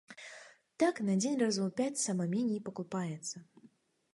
Так на дзень разоў пяць сама меней пакупаецца.